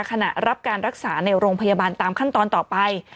ขณะรับการรักษาในโรงพยาบาลตามขั้นตอนต่อไป